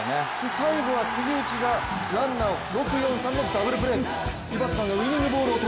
最後は杉内が、ランナーを６、４、３のプレーと。